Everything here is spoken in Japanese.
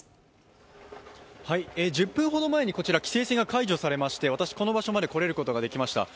１０分ほど前にこちら規制線が解除されまして私、この場所まで来ることができました。